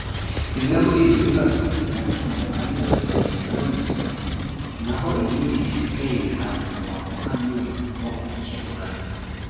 Bimwe muri ibyo bibazo byakemuwe ba nyirabyo bagenda banyuzwe naho ibindi bisigaye bihabwa umurongo uhamye wo kubikemura